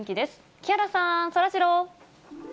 木原さん、そらジロー。